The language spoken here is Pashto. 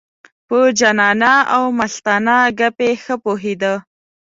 په جانانه او مستانه ګپې ښه پوهېده.